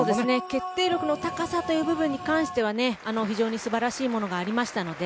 決定力の高さの部分に関しては非常に素晴らしいものがありましたので。